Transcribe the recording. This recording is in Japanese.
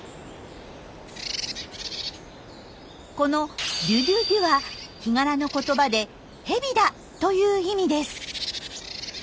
この「デュデュデュ」はヒガラの言葉で「ヘビだ」という意味です。